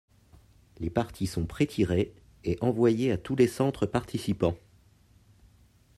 Les parties sont prétirées et envoyées à tous les centres participant.